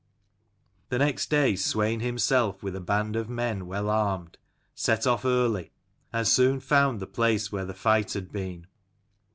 The next day Swein himself, with a band of men well armed, set off early, and soon found the place where the fight had been.